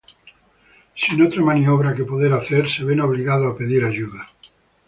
Sin otra maniobra que poder hacer, se ven obligados a pedir ayuda.